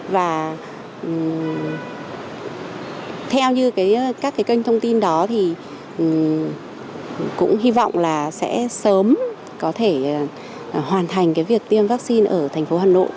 và theo như các cái kênh thông tin đó thì cũng hy vọng là sẽ sớm có thể hoàn thành việc tiêm vaccine ở thành phố hà nội